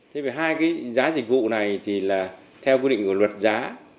thế về hai cái giá dịch vụ này thì là theo quy định của luật giá